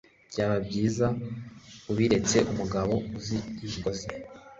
byaba byiza ubiretse umugabo uzi imigozi